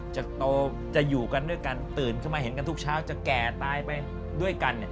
จะโตจะอยู่กันด้วยกันตื่นขึ้นมาเห็นกันทุกเช้าจะแก่ตายไปด้วยกัน